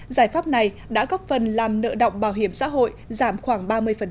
giải pháp này đã góp phần làm nợ động bảo hiểm xã hội giảm khoảng ba mươi